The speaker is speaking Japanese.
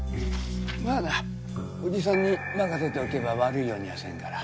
まあなおじさんに任せておけば悪いようにはせんから。